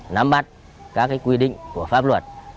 nắm bắt các quy định của pháp luật